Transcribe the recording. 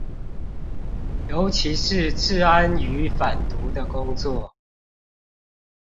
尤其是治安與反毒的工作